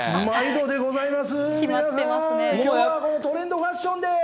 トレンドファッションです。